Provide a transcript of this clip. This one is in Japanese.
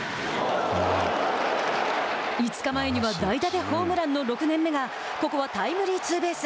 ５日前には代打でホームランの６年目がここはタイムリーツーベース。